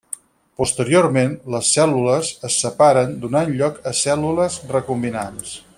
Posteriorment, les cèl·lules se separen, donant lloc a cèl·lules recombinants.